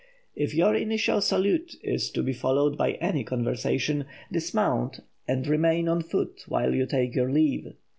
If your initial salute is to be followed by any conversation, dismount and remain on foot until you take your leave.